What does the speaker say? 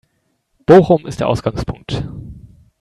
Bochum ist der Ausgangpunkt